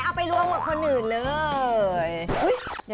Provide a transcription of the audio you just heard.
เอาไปรวมกับคนอื่นเลย